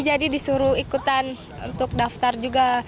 jadi disuruh ikutan untuk daftar juga